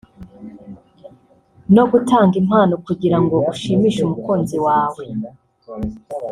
no gutanga impano kugira ngo ushimishe umukunzi wawe